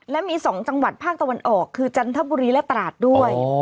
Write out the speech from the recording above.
และมี๒จังหวัดภาคตะวันออกคือจันทบุรีและตราดด้วย